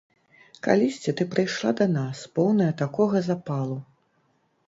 Калісьці ты прыйшла да нас, поўная такога запалу.